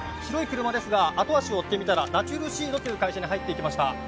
白い車ですが後足を追ってみたらナチュルシードという会社に入っていきました